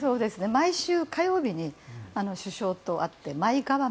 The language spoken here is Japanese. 毎週火曜日に首相と会って。